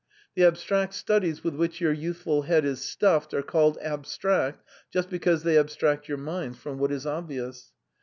The abstract studies with which your youthful head is stuffed are called abstract just because they abstract your minds from what is obvious.